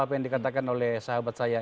apa yang dikatakan oleh sahabat saya